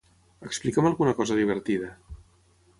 Explica'm alguna cosa divertida